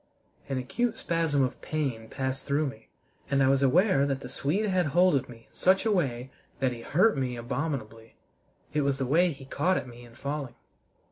An acute spasm of pain passed through me, and I was aware that the Swede had hold of me in such a way that he hurt me abominably. It was the way he caught at me in falling.